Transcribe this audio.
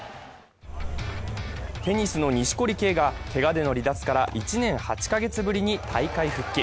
テニスの錦織圭がけがでの離脱から１年８か月ぶりに大会復帰。